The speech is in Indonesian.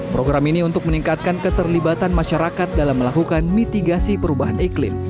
program ini untuk meningkatkan keterlibatan masyarakat dalam melakukan mitigasi perubahan iklim